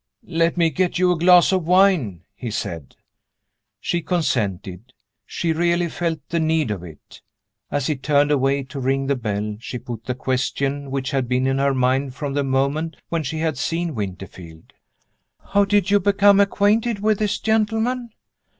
"Let me get you a glass of wine," he said. She consented she really felt the need of it. As he turned away to ring the bell, she put the question which had been in her mind from the moment when she had seen Winterfield. "How did you become acquainted with this gentleman?"